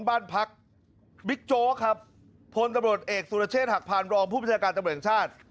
บ้านพักบิ๊กโจ๊กครับพลตำรวจเอกสุรเชษฐหักพานรองผู้ประชาการตำรวจแห่งชาติ